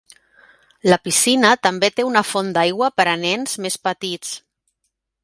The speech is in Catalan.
La piscina també té una font d'aigua per a nens més petits.